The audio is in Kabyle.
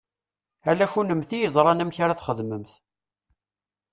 Ala kennemti i yeẓṛan amek ara ad txedmemt.